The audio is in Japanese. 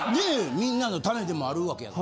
みんなのためでもあるわけやもんな。